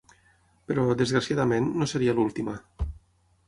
Però, desgraciadament, no seria l'última.